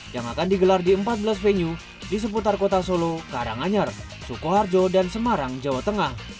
yang akan digelar di empat belas venue di seputar kota solo karanganyar sukoharjo dan semarang jawa tengah